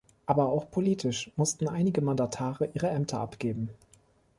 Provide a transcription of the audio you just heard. Aber auch politisch mussten einige Mandatare ihre Ämter abgeben.